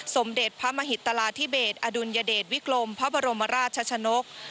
สมเด็จพระมหิตราธิเบสอดุลยเดชวิกลมพระบรมราชชนก